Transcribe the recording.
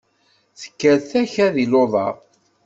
Tekker takka di luḍa!